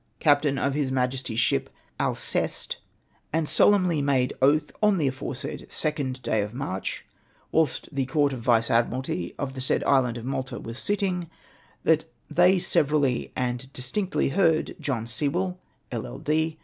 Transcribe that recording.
captain of His INIajesty's ship Alceste, and solemnly made oath that on the aforesaid 2nd day of March, whilst the Court of Vice Admiralty of the said island of Malta was sit ting, they severally and distinctly heard John Sewell, LL.D.